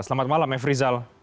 selamat malam f rizal